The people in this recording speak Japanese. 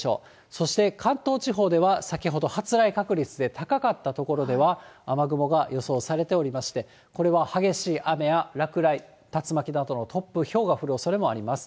そして関東地方では、先ほど発雷確率で高かった所では、雨雲が予想されておりまして、これは激しい雨や落雷、竜巻などの突風、ひょうが降るおそれもあります。